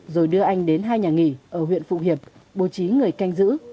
rồi đưa anh đến hai nhà nghỉ ở huyện phụng hiệp bố trí người canh giữ